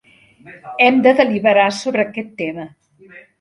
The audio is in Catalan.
Hem de deliberar sobre aquest tema.